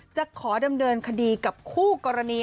จะขอดำเนินคดีกับคู่กรณี